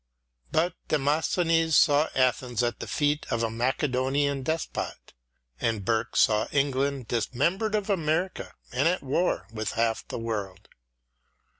But Demosthenes saw Athens at the feet of a Macedonian despot, and Burke saw England dismembered of America and at war with half the world.